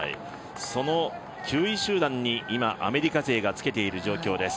その９位集団にアメリカ勢がつけている状況です。